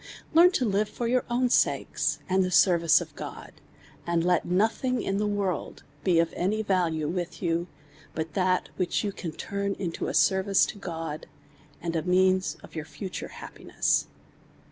Lrearn to live for your own sakes, and the service of God, and let nothing in the world be of any value with you, but that which you can turn into a service to God, and a medns of your future happiness.